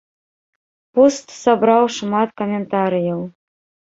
Пост сабраў шмат каментарыяў.